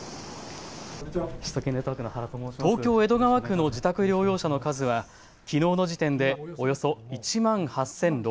東京江戸川区の自宅療養者の数はきのうの時点でおよそ１万８６００人。